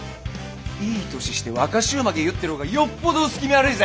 いい年して若衆髷結ってる方がよっぽど薄気味悪いぜ！